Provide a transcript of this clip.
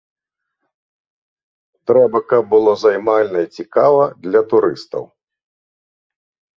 Трэба, каб было займальна і цікава для турыстаў.